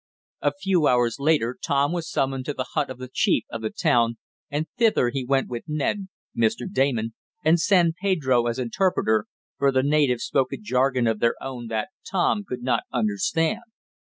A few hours later Tom was summoned to the hut of the chief of the town, and thither he went with Ned, Mr. Damon and San Pedro as interpreter, for the natives spoke a jargon of their own that Tom could not understand.